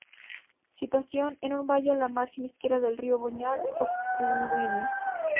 Situación: en un valle a la margen izquierda del río Boñar o Curueño.